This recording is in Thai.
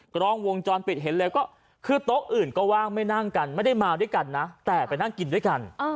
กล้องวงจรปิดเห็นเลยก็คือโต๊ะอื่นก็ว่างไม่นั่งกันไม่ได้มาด้วยกันนะแต่ไปนั่งกินด้วยกัน